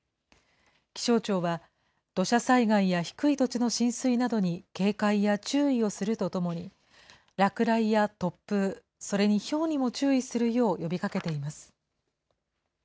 気象庁は土砂災害や低い土地の浸水などに警戒や注意をするとともに、落雷や突風、それにひょうにも注意するよう呼びかけています。